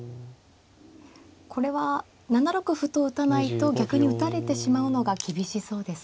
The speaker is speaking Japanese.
これは７六歩と打たないと逆に打たれてしまうのが厳しそうですか。